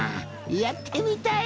やってみたい！